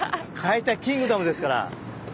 「解体キングダム」ですから。